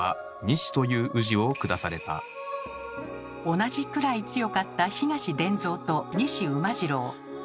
同じくらい強かった「東伝蔵」と「西馬次郎」。